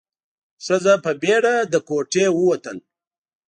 ښځه په بيړه له کوټې ووته.